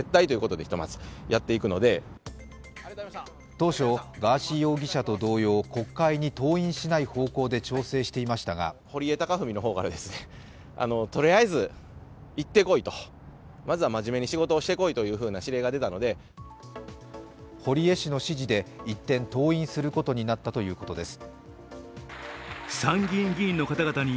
当初、ガーシー容疑者と同様、国会に登院しない方向で調整していましたが堀江氏の指示で一転、登院することになったといいうことです。